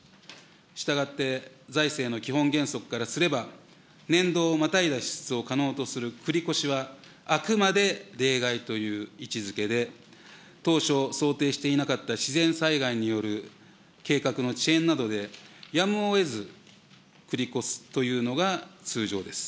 したがって、財政の基本原則からすれば、年度をまたいだ支出を可能とする繰り越しはあくまで例外という位置づけで、当初想定していなかった自然災害による計画の遅延などでやむをえず繰り越すというのが通常です。